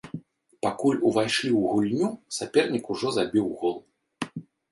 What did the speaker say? Пакуль увайшлі ў гульню, сапернік ужо забіў гол.